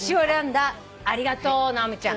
ありがとう直美ちゃん。